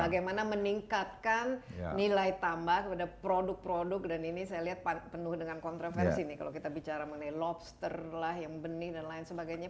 bagaimana meningkatkan nilai tambah kepada produk produk dan ini saya lihat penuh dengan kontroversi nih kalau kita bicara mengenai lobster lah yang benih dan lain sebagainya